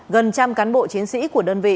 gần trăm cán bộ chiến sĩ của đơn vị